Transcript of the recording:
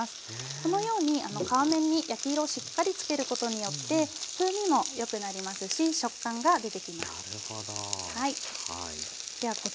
このように皮面に焼き色をしっかりつけることによって風味もよくなりますし食感が出てきます。